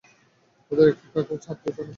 ওদের একটাকেও ছেড়ে দিত না।